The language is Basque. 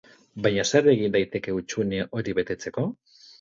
Baina zer egin daiteke hutsune hori betetzeko?